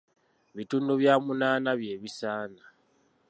Bitundu bya munaana bye bisaana!